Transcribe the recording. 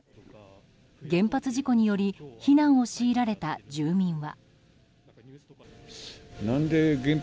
原発事故により避難を強いられた住民は。